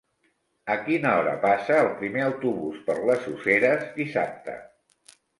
A quina hora passa el primer autobús per les Useres dissabte?